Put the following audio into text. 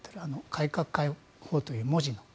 改革開放という文字が。